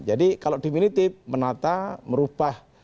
jadi kalau diminitif menata merubah